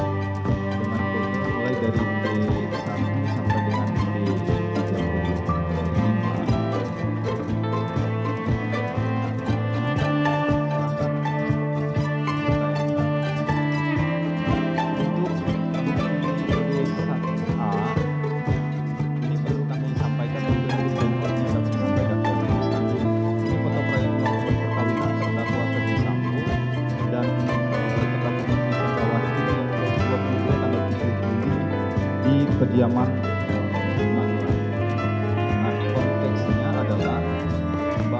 mulai dari b satu sampai dengan b tiga puluh lima